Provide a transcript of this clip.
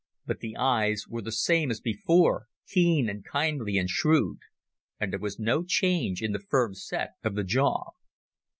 But the eyes were the same as before, keen and kindly and shrewd, and there was no change in the firm set of the jaw.